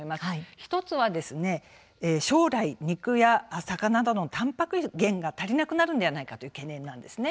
１つは将来、肉や魚などのたんぱく源が足りなくなるのではないかという懸念なんです。